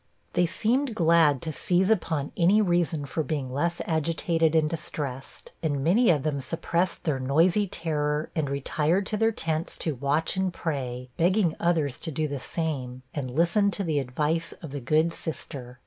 They seemed glad to seize upon any reason for being less agitated and distressed, and many of them suppressed their noisy terror, and retired to their tents to 'watch and pray;' begging others to do the same, and listen to the advice of the good sister.